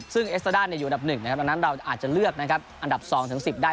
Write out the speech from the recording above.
ซึ่งเอสเซด้าอยู่อันดับ๑นะครับอันนั้นเราอาจจะเลือกอันดับ๒๑๐ได้